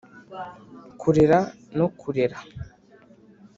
kurera no kurera